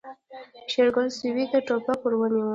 شېرګل سوی ته ټوپک ور ونيو.